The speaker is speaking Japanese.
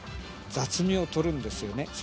雑味を取るんですよね。